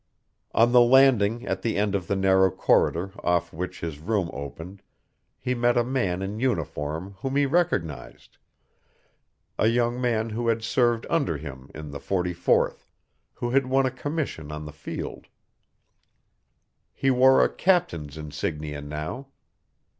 On the landing at the end of the narrow corridor off which his room opened he met a man in uniform whom he recognized, a young man who had served under him in the Forty fourth, who had won a commission on the field. He wore a captain's insignia now.